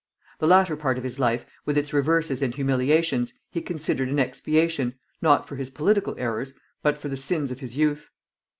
The latter part of his life, with its reverses and humiliations, he considered an expiation, not for his political errors, but for the sins of his youth.